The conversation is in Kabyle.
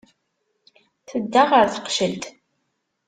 Tedda ɣer teqcelt.